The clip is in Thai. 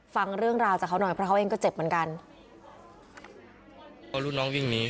ฟังเรื่องราวจากเขาน่ะเพราะเขาเองก็เจ็บเหมือนกัน